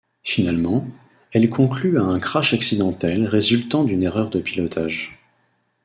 Finalement, elle conclut à un crash accidentel résultant d'une erreur de pilotage.